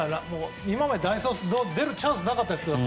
今まで代走が出るチャンスなかったですけど